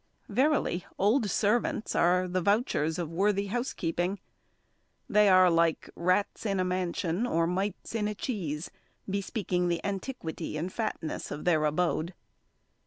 Verily old servants are the vouchers of worthy housekeeping. They are like rats in a mansion, or mites in a cheese, bespeaking the antiquity and fatness of their abode.